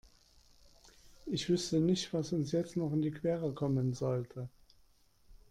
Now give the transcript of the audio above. Ich wüsste nicht, was uns jetzt noch in die Quere kommen sollte.